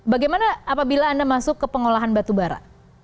bagaimana apabila anda masuk ke pengolahan batu bara